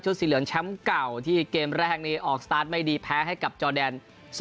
สีเหลืองแชมป์เก่าที่เกมแรกนี้ออกสตาร์ทไม่ดีแพ้ให้กับจอแดน๐